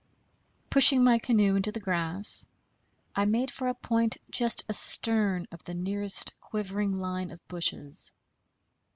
Pushing my canoe into the grass, I made for a point just astern of the nearest quivering line of bushes.